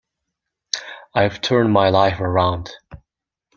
I've turned my life around.